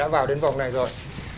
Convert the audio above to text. vào đến vòng này rồi